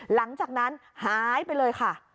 หลังจากนั้นหายไปเลยค่ะ